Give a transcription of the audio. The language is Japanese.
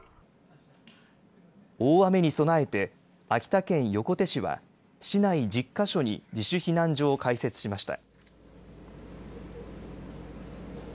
大雨に備えて秋田県横手市は市内１０か所に自主避難所を開設しました。